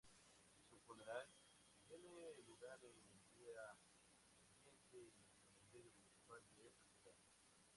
Su funeral, tiene lugar al día siguiente en el Cementerio Municipal de esa ciudad.